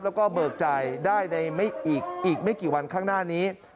แล้วก็เบิกจ่ายได้ในอีกไม่กี่วันข้างหน้านี้